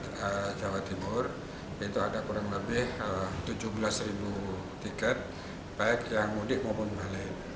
di jawa timur itu ada kurang lebih tujuh belas ribu tiket baik yang mudik maupun balik